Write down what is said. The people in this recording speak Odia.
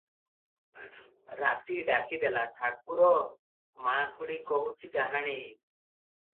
ରାଧୀ ଡାକି ଦେଲା "ଠାକୁର ମା, ଖୁଡି କହୁଛି ଡାହାଣୀ ।"